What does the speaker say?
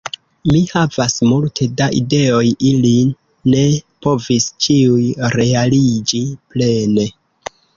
Mi havis multe da ideoj ili ne povis ĉiuj realiĝi plene.